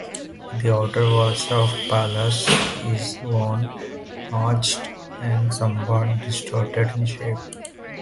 The outer wall of Pallas is worn, notched, and somewhat distorted in shape.